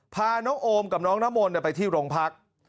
พาน้องโอมกับน้องน้ำมนต์ไปที่โรงพัก